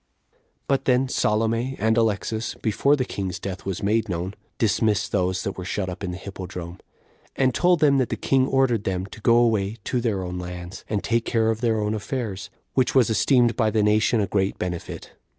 2. But then Salome and Alexas, before the king's death was made known, dismissed those that were shut up in the hippodrome, and told them that the king ordered them to go away to their own lands, and take care of their own affairs, which was esteemed by the nation a great benefit.